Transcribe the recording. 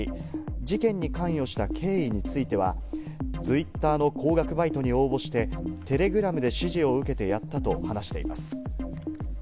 事件に関与した経緯については、ツイッターの高額バイトに応募してテレグラムで指示を受けてやったと話しています。